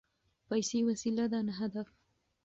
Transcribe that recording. پیسې وسیله ده نه هدف.